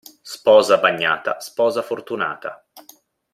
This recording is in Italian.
Sposa bagnata, sposa fortunata.